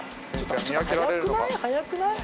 速くない？